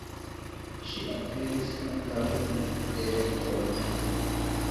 Ŝi aperis ankaŭ en operetoj.